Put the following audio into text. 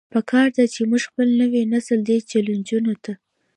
پکار ده چې مونږ خپل نوے نسل دې چيلنجونو ته